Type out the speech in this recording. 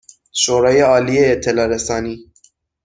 شورای عالی اطلاع رسانی